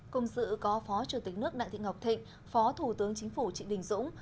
cùng sự có phó chủ tịch nước đại thị ngọc thịnh phó thủ tướng chính phủ trị đình dũng